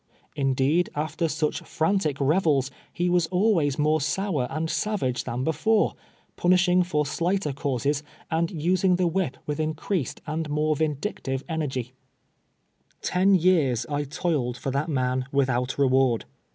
Indeed, after such frantic revels, he was always more sour and savage than before, punishing for slighter causes, and using the whip with increased and more vindictive energy. CHARACTER OF EPPS. 183 Ten years I toiled for that man witliout reward.